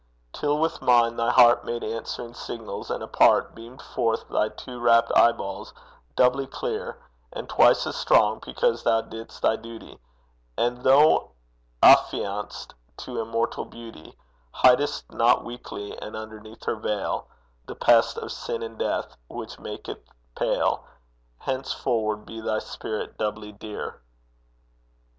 till with mine Thy heart made answering signals, and apart Beamed forth thy two rapt eye balls doubly clear, And twice as strong because thou didst thy duty, And though affianced to immortal Beauty, Hiddest not weakly underneath her veil The pest of Sin and Death which maketh pale: Henceforward be thy spirit doubly dear.